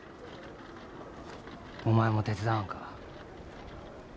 お前も手伝わんか。